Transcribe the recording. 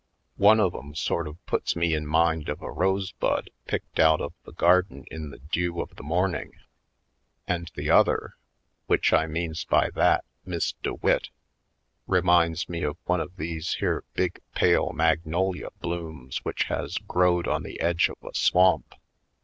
One of 'em sort of puts me in mind of a rosebud picked out of the garden in the dev/ of the morning and 172 /. PoindexteTj Colored the other, which I means by that, Miss De Witt, reminds me of one of these here big pale magnolia blooms which has growed on the edge of a swamp.